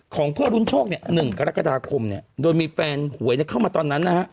ของพ่อรุ่นโชค๑กรกฎาคมโดยมีแฟนหวยเข้ามาตอนนั้นนะครับ